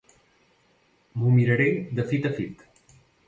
M'ho miraré de fit a fit.